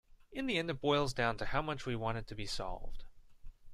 In the end it boils down to how much we want it to be solved.